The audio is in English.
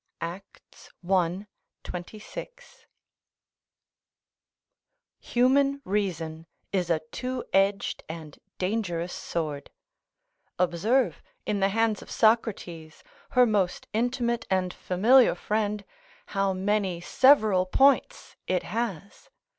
Acts i. 26.] Human reason is a two edged and dangerous sword: observe in the hands of Socrates, her most intimate and familiar friend, how many several points it has.